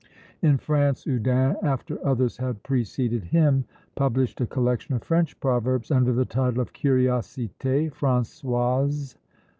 In France, Oudin, after others had preceded him, published a collection of French proverbs, under the title of Curiosités Françoises.